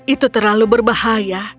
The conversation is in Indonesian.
itu terlalu berbahaya